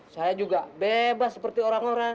saya juga bebas seperti orang orang